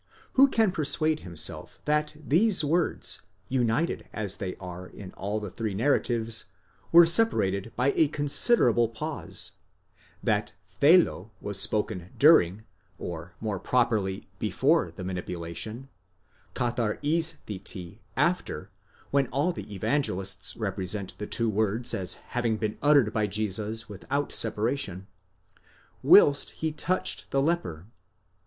Who can persuade himself that these words, united as they are in all the three narratives, were separated by a considerable pause—that θέλω was spoken during or more properly before the manipulation, καθαρίσθητι after, when all the Evangelists represent the two words as having been uttered by Jesus without separation, whilst he touched the leper?